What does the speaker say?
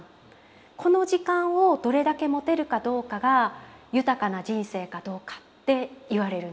この時間をどれだけ持てるかどうかが豊かな人生かどうかって言われるんです。